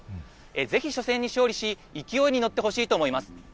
ぜひ初戦に勝利し、勢いに乗ってほしいと思います。